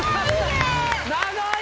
長い！